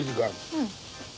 うん。